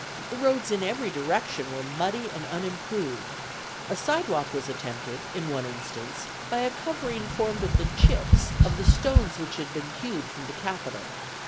... The roads in every direction were muddy and unimproved; a sidewalk was attempted in one instance by a covering formed of the chips of the stones which had been hewed from the Capitol.